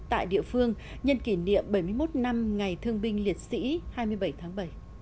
tại địa phương nhân kỷ niệm bảy mươi một năm ngày thương binh liệt sĩ hai mươi bảy tháng bảy